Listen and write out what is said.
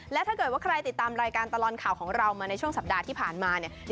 และถ้าเกิดว่าใครติดตามรายการตลอดข่าวของเรามาในช่วงสัปดาห์ที่ผ่านมาเนี่ย